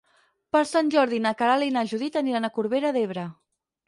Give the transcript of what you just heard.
Per Sant Jordi na Queralt i na Judit aniran a Corbera d'Ebre.